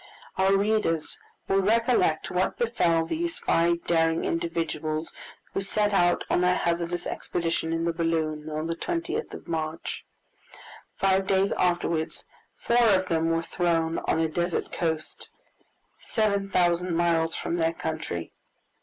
Our readers will recollect what befell these five daring individuals who set out on their hazardous expedition in the balloon on the 20th of March. Five days afterwards four of them were thrown on a desert coast, seven thousand miles from their country!